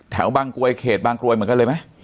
แถวบางกรวยเขตบางกรวยเหมือนกันเลยไหม